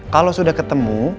kalo sudah ketemu